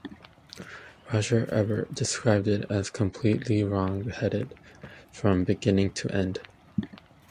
Roger Ebert described it as "completely wrong-headed from beginning to end".